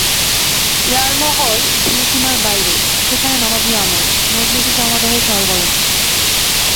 ইয়ারমহল গৃহসীমার বাইরেই, সেখানে নবাবি আমল, মজলিসি সমারোহে সরগরম।